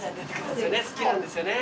好きなんですよね